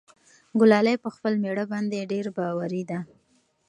ګلالۍ په خپل مېړه باندې ډېر باوري وه.